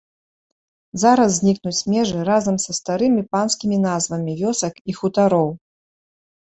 Зараз знікнуць межы разам са старымі панскімі назвамі вёсак і хутароў.